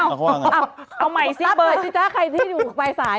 อ้าวเอาใหม่ซิเบอร์ดชิคกี้พายที่อยู่ในไฟสาย